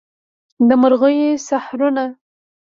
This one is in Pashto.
د مرغیو سحرونه